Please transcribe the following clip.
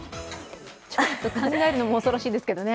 ちょっと考えるのも恐ろしいですけどね。